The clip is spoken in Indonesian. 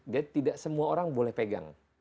jadi tidak semua orang boleh pegang